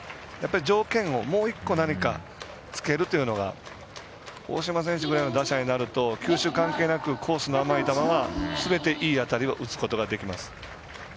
条件をもう１個何かつけるというのが大島選手ぐらいの打者になると球種関係なくコースの甘い球はすべていい当たりを打つことができます。